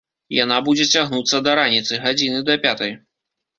Яна будзе цягнуцца да раніцы, гадзіны да пятай.